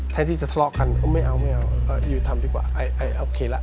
แทนที่จะทะเลาะกันไม่เอาอยู่ทำดีกว่าโอเคแล้ว